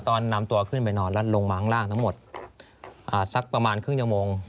ตอนนำตัวขึ้นไปนอนแล้วลงมาข้างล่างทั้งหมดสักประมาณครึ่งชั่วโมง